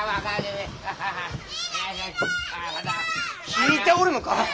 聞いておるのか！